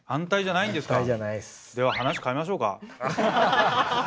では話変えましょうか？